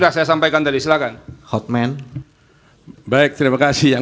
dan tadi meskipun sudah dijelaskan bahwa memang ternyata setelah dijelaskan